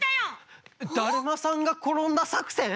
だるまさんがころんださくせん？